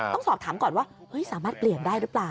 ต้องสอบถามก่อนว่าสามารถเปลี่ยนได้หรือเปล่า